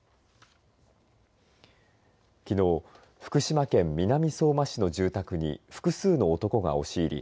きのう福島県南相馬市の住宅に複数の男が押し入り